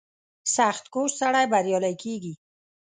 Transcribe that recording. • سختکوش سړی بریالی کېږي.